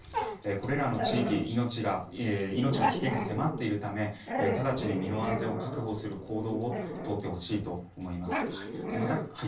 これらの地域命の危険が迫っているため直ちに身の安全を確保する行動をとってほしいと思います。